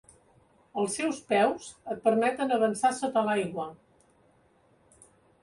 Els seus peus et permeten avançar sota l'aigua.